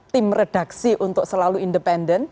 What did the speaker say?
tim redaksi untuk selalu independen